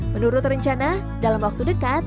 menurut rencana dalam waktu dekat